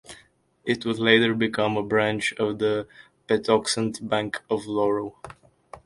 It would later become a branch of the Patuxent Bank of Laurel.